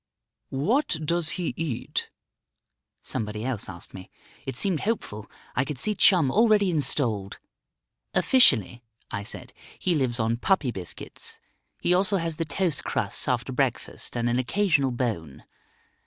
"What does he eat?" somebody else asked me. It seemed hopeful; I could see Chum already installed. "Officially," I said, "he lives on puppy biscuits; he also has the toast crusts after breakfast and an occasional bone.